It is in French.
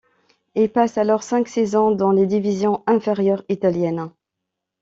Il passe alors cinq saisons dans les divisions inférieures italiennes.